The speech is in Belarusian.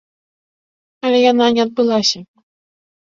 Але яна не адбылася.